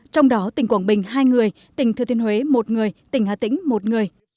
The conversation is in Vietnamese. trong đó tỉnh quảng bình hai người tỉnh thừa thiên huế một người tỉnh hà tĩnh một người